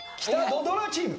土ドラチーム！